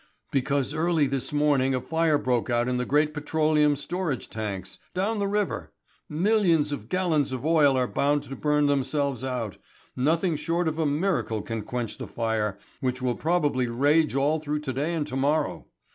"Because early this morning a fire broke out in the great petroleum storage tanks, down the river. Millions of gallons of oil are bound to burn themselves out nothing short of a miracle can quench the fire, which will probably rage all through to day and to morrow.